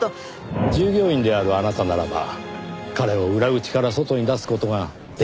従業員であるあなたならば彼を裏口から外に出す事ができました。